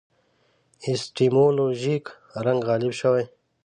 اپیستیمولوژیک رنګ غالب شوی.